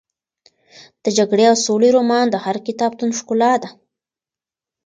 د جګړې او سولې رومان د هر کتابتون ښکلا ده.